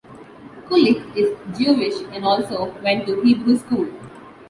Kulick is Jewish and also went to Hebrew school.